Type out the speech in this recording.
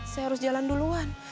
saya harus jalan duluan